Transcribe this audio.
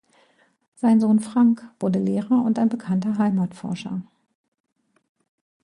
Sein Sohn Frank wurde Lehrer und ein bekannter Heimatforscher.